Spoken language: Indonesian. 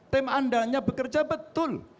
tim andalnya bekerja betul